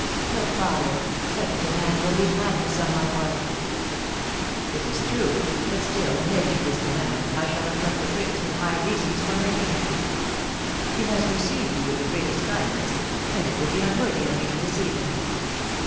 "But, father, such a demand will be madness on my part!" "It is true; but still, in making this demand, I shall acquaint the prince with my reasons for making it. He has received you with the greatest kindness, and it would be unworthy of me to deceive him.